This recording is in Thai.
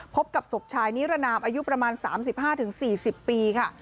พบกับศพชายนิรนามอายุประมาณ๓๕๔๐ปีค่ะ